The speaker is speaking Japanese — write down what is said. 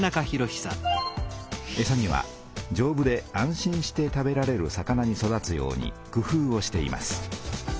えさにはじょうぶで安心して食べられる魚に育つようにくふうをしています。